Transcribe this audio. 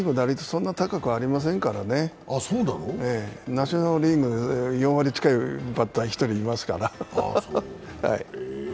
そんなに高くありませんからね。ナショナル・リーグは４割近いバッターが１人いますから。